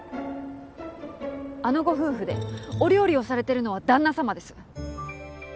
あのご夫婦でお料理をされてるのは旦那様です。